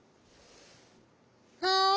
「はい。